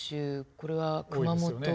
これは熊本。